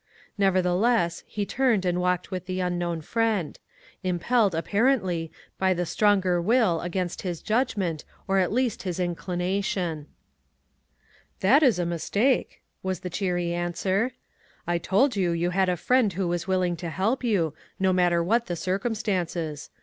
Nevertheless, he turned and walked with the unknown friend ; impelled apparently, by the stronger will against his judgment, or at least, his inclination. " That is a mistake," was the cheery an swer ;" I told you you had a friend who was willing to help you, no matter what the circumstances.